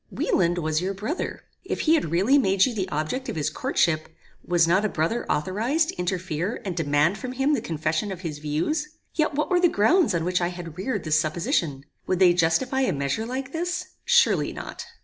"Wieland was your brother. If he had really made you the object of his courtship, was not a brother authorized to interfere and demand from him the confession of his views? Yet what were the grounds on which I had reared this supposition? Would they justify a measure like this? Surely not.